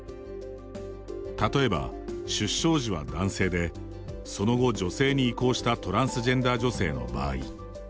例えば、出生時は男性でその後、女性に移行したトランスジェンダー女性の場合。